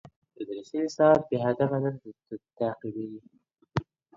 تدریسي نصاب بې هدفه نه تعقیبیږي.